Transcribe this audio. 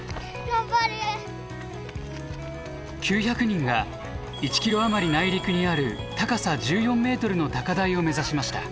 ９００人が１キロ余り内陸にある高さ１４メートルの高台を目指しました。